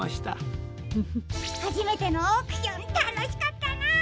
はじめてのオークションたのしかったな！